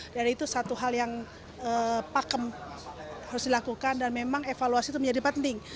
dan itu satu hal yang pakem harus dilakukan dan memang evaluasi itu menjadi penting